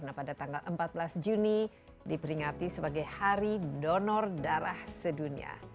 nah pada tanggal empat belas juni diperingati sebagai hari donor darah sedunia